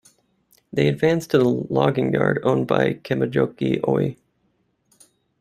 They advanced to a logging yard owned by Kemijoki Oy.